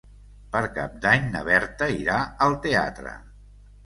Per Cap d'Any na Berta irà al teatre.